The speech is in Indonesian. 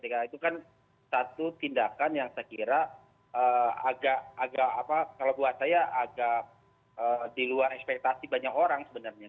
itu kan satu tindakan yang saya kira agak apa kalau buat saya agak di luar ekspektasi banyak orang sebenarnya